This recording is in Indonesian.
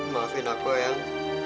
maafin aku eyang